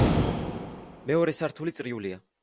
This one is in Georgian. მეორე სართული წრიულია.